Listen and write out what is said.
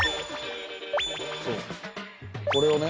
これをね